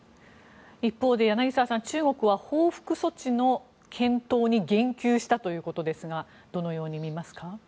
一方で柳澤さん中国は報復措置の検討に言及したということですがどのように見ますか？